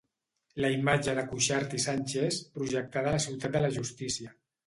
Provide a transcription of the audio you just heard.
La imatge de Cuixart i Sànchez, projectada a la Ciutat de la Justícia.